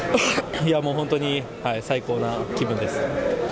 いやもう本当に最高な気分です。